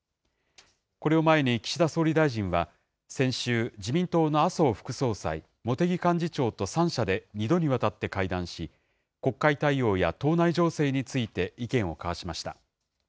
これを前に岸田総理大臣は、先週、自民党の麻生副総裁、茂木幹事長と３者で２度にわたって会談し、国会対応や党内情勢について、意見を交わしました。